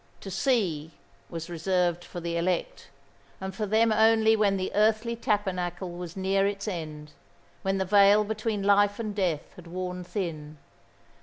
To see was reserved for the elect; and for them only when the earthly tabernacle was near its end, when the veil between life and death had worn thin.